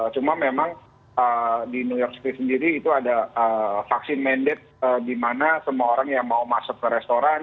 cuma memang di new york speed sendiri itu ada vaksin manded di mana semua orang yang mau masuk ke restoran